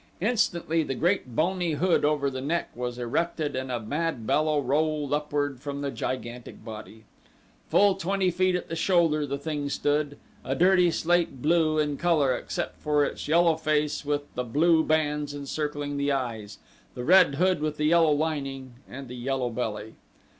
Instantly the great bony hood over the neck was erected and a mad bellow rolled upward from the gigantic body. Full twenty feet at the shoulder the thing stood, a dirty slate blue in color except for its yellow face with the blue bands encircling the eyes, the red hood with the yellow lining and the yellow belly.